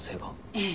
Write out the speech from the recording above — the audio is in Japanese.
ええ。